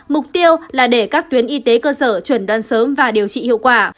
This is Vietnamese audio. mục tiêu là để các tuyến y tế cơ sở chuẩn đoán sớm và điều trị hiệu quả